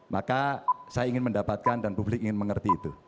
maka saya ingin mendapatkan dan publik ingin mengerti itu